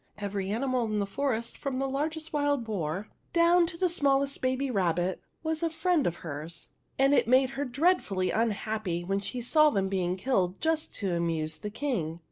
Every animal in the forest, from the largest wild boar down to the smallest baby rabbit, was a friend of hers ; and it made her dreadfully unhappy 50 THE HUNDREDTH PRINCESS when she saw them being killed just to amuse the King.